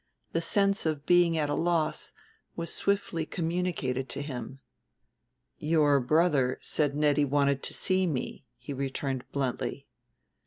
The sense of being at a loss was swiftly communicated to him. "Your brother said Nettie wanted to see me," he returned bluntly.